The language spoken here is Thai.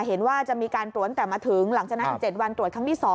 เห็นว่าจะมีการตรวจตั้งแต่มาถึงหลังจากนั้นอีก๗วันตรวจครั้งที่๒